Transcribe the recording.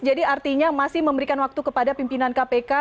jadi artinya masih memberikan waktu kepada pimpinan kpk